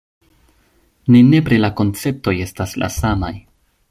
Ne nepre la konceptoj estas la samaj.